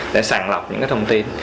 để sàn lọc những cái thông tin